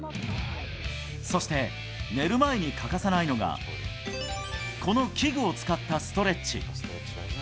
そして寝る前に欠かさないのが、この器具を使ったストレッチ。